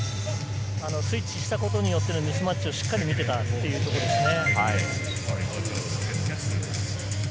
スイッチしたことによってミスマッチをしっかり見ていたというところですね。